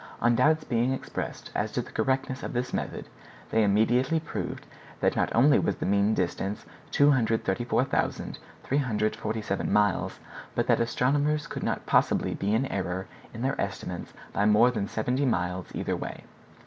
On doubts being expressed as to the correctness of this method, they immediately proved that not only was the mean distance 234,347 miles, but that astronomers could not possibly be in error in their estimate by more than seventy miles either way.